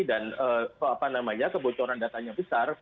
dan kebocoran datanya besar